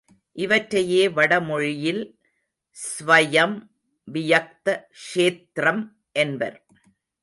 இவற்றையே வடமொழியில் ஸ்வயம் வியக்த க்ஷேத்திரம் என்பர்.